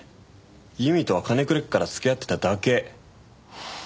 由美とは金くれっから付き合ってただけ。